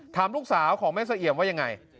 ถามลูกสาวของแม่เสเอี่ยมว่ายังไง